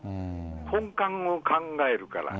本幹を考えるから。